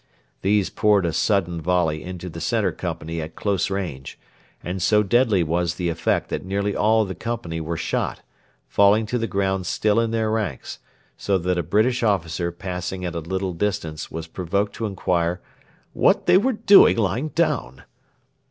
These poured a sudden volley into the centre company at close range, and so deadly was the effect that nearly all the company were shot, falling to the ground still in their ranks, so that a British officer passing at a little distance was provoked to inquire 'what they were doing lying down.'